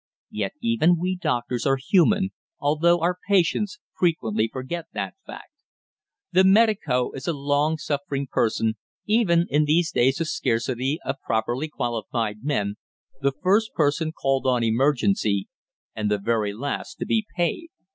Yet even we doctors are human, although our patients frequently forget that fact. The medico is a long suffering person, even in these days of scarcity of properly qualified men the first person called on emergency, and the very last to be paid!